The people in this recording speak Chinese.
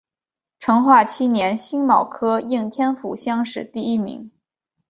成化七年辛卯科应天府乡试第一名。